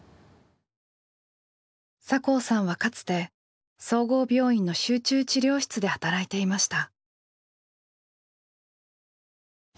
酒匂さんはかつて総合病院の集中治療室で働いていました。